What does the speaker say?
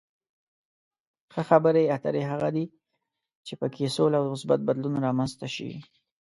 ښه خبرې اترې هغه دي چې په کې سوله او مثبت بدلون رامنځته شي.